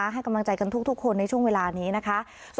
ให้กำลังใจกันทุกคนในช่วงเวลานี้นะคะ